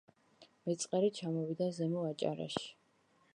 მეწყერი ჩამოვიდა ზემო აჭარაში